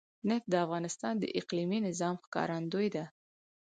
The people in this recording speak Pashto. نفت د افغانستان د اقلیمي نظام ښکارندوی ده.